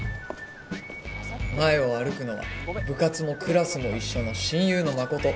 前を歩くのは部活もクラスも一緒の親友のマコト。